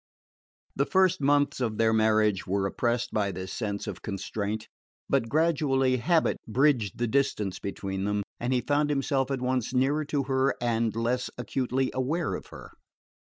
The first months of their marriage were oppressed by this sense of constraint; but gradually habit bridged the distance between them and he found himself at once nearer to her and less acutely aware of her.